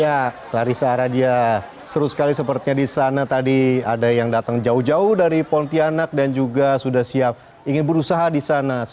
ya larissa aradia seru sekali sepertinya di sana tadi ada yang datang jauh jauh dari pontianak dan juga sudah siap ingin berusaha di sana